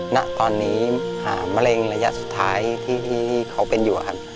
ณตอนนี้มะเร็งระยะสุดท้ายที่เขาเป็นอยู่ครับ